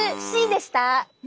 Ｃでした！